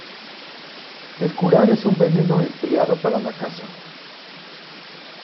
El curare es un veneno empleado para la caza.